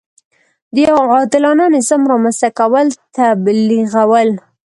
د یوه عادلانه نظام رامنځته کول تبلیغول.